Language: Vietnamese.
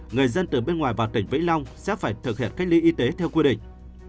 người dân từ bên ngoài vào tỉnh vĩnh long sẽ phải thực hiện cách ly y tế theo quy định